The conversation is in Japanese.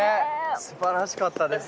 すばらしかったです。